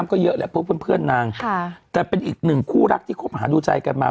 ก็เยอะแล้วเพื่อนนางแต่เป็นอีกหนึ่งคู่รักที่เขาพาดูใจกันมา